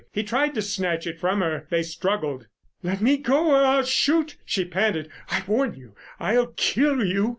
He tried to snatch it from her. They struggled. "Let me go, or I'll shoot!" she panted. "I warn you! I'll kill you!"